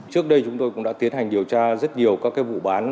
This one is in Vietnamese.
trước đây chúng tôi cũng đã tiến hành điều tra rất nhiều các vụ bán